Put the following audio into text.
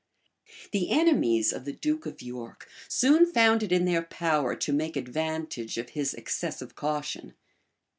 The enemies of the duke of York soon found it in their power to make advantage of his excessive caution.